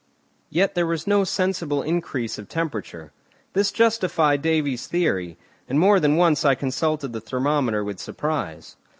Yet there was no sensible increase of temperature. This justified Davy's theory, and more than once I consulted the thermometer with surprise.